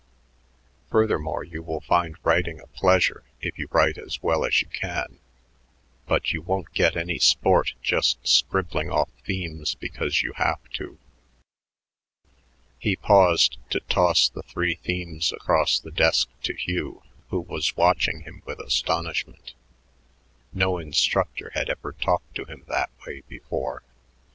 Furthermore, you will find writing a pleasure if you write as well as you can, but you won't get any sport just scribbling off themes because you have to." He paused to toss the three themes across the desk to Hugh, who was watching him with astonishment. No instructor had ever talked to him that way before.